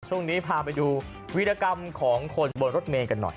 ช่วงนี้พาไปดูวิรกรรมของคนบนรถเมย์กันหน่อย